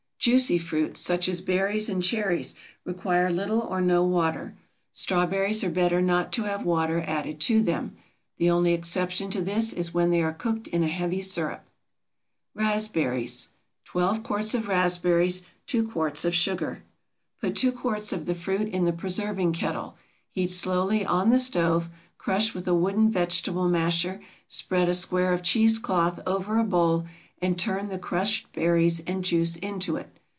Juicy fruits, such as berries and cherries, require little or no water. Strawberries are better not to have water added to them. The only exception to this is when they are cooked in a heavy sirup. RASPBERRIES. 12 quarts of raspberries. 2 quarts of sugar. Put 2 quarts of the fruit in the preserving kettle; heat slowly on the stove; crush with a wooden vegetable masher; spread a square of cheese cloth over a bowl, and turn the crushed berries and juice into it.